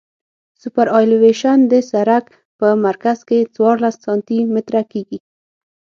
سوپرایلیویشن د سرک په مرکز کې څوارلس سانتي متره کیږي